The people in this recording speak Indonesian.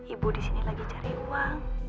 ibu di sini lagi cari uang